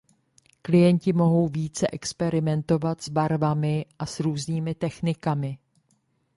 Klienti mohou více experimentovat s barvami a s různými technikami.